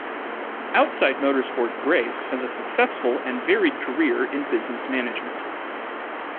Outside motorsport Grace has a successful and varied career in business management.